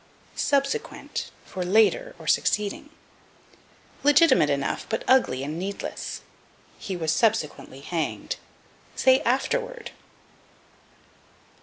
Subsequent for Later, or Succeeding. Legitimate enough, but ugly and needless. "He was subsequently hanged." Say, afterward.